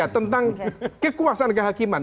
tentang kekuasaan kehakiman